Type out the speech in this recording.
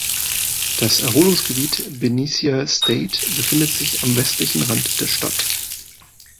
Das Erholungsgebiet Benicia State befindet sich am westlichen Rand der Stadt.